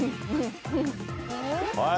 はい。